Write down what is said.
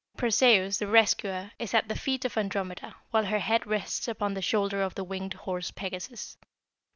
Perseus, the rescuer, is at the feet of Andromeda, while her head rests upon the shoulder of the winged horse Pegasus.